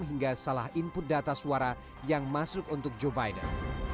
hingga salah input data suara yang masuk untuk joe biden